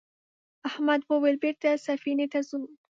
احمد وویل بېرته سفینې ته ځو.